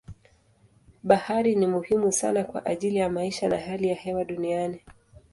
Bahari ni muhimu sana kwa ajili ya maisha na hali ya hewa duniani.